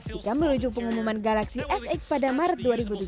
jika merujuk pengumuman galaxy s delapan pada maret dua ribu tujuh belas